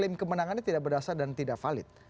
klaim kemenangannya tidak berdasar dan tidak valid